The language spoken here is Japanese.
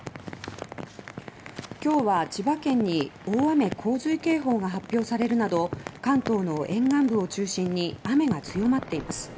今日は千葉県に大雨・洪水警報が発表されるなど関東の沿岸部を中心に雨が強まっています。